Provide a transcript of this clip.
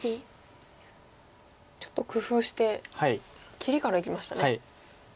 ちょっと工夫して切りからいきましたね。